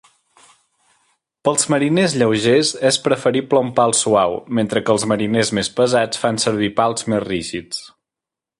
Pels mariners lleugers és preferible un pal suau, mentre que els mariners més pesats fan servir pals més rígids.